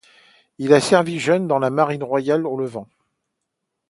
Il a servi jeune dans la Marine royale au Levant.